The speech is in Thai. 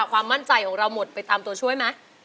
ความมั่นใจของเราหมดไปตามตัวช่วยไหม